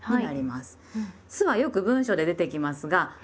「す」はよく文章で出てきますが「です」